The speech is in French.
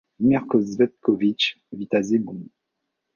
Mirko Cvetković vit à Zemun.